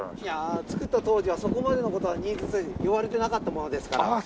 いやあ造った当時はそこまでの事は言われてなかったものですから。